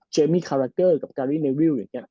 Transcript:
เจมมี่คาร์แรคเตอร์กับการรีเนวิวอย่างเงี้ย